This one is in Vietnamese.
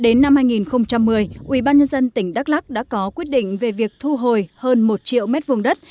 đến năm hai nghìn một mươi ủy ban nhân dân tỉnh đắk lắc đã có quyết định về việc thu hồi hơn một triệu mét vùng đất